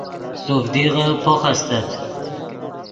سوڤدیغے پوخ استت